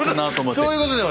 そういうことではない。